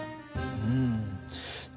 うん。